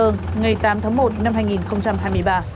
ngày tám tháng một năm hai nghìn hai mươi ba